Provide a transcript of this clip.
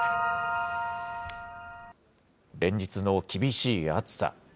連日の厳しい暑さ。